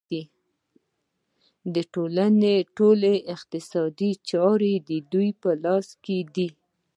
د ټولنې ټولې اقتصادي چارې د دوی په لاس کې دي